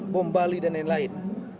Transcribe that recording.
bom bali dan lain lain